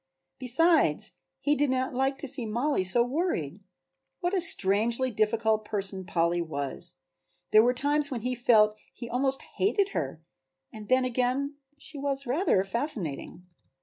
Besides he did not like to see Mollie so worried! What a strangely difficult person Polly was! There were times when he felt that he almost hated her and then again she was rather fascinating.